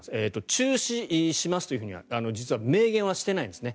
中止しますとは実は明言していないんですね。